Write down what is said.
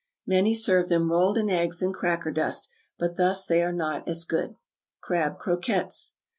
Many serve them rolled in eggs and cracker dust; but thus they are not as good. =Crab Croquettes.